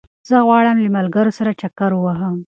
زه غواړم له ملګرو سره چکر ووهم